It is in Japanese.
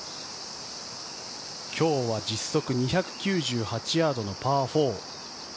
今日は実測２９８ヤードのパー４。